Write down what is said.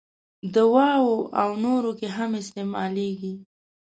دواوو او نورو کې هم استعمالیږي.